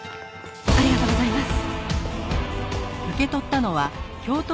ありがとうございます。